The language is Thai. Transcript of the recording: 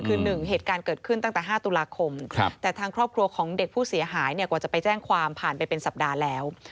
คือ๑เหตุการณ์เกิดขึ้นตั้งแต่๕ตุลาคมแต่ทางครอบครัวของเด็กผู้เสียหายเนี่ยกว่าจะไปแจ้งความผ่านไปเป็นสัปดาห์แล้ว